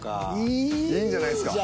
いいんじゃないすか。